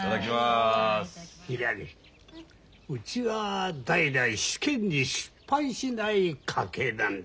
ひらりうちは代々試験に失敗しない家系なんだ。